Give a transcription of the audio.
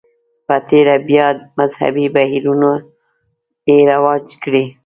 په تېره بیا مذهبي بهیرونو یې رواج کړي.